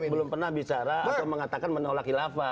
belum pernah bicara atau mengatakan menolak khilafah